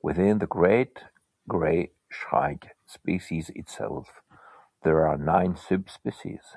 Within the great grey shrike species itself, there are nine subspecies.